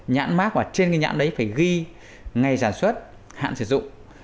nhãn mát ở trên cái nhãn đấy phải ghi ngày sản xuất hạn sử dụng